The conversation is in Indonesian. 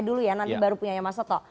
saya dulu ya nanti baru punya mas loto